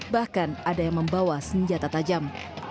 bahkan ada yang membawa senjata tajam